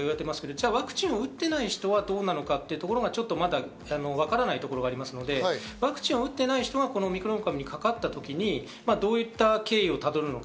じゃあワクチン打っていない人はどうなのかというところがまだわからないと思いますので、ワクチンを打っていない人はこのオミクロン株にかかった時にどういう経緯をたどるのか。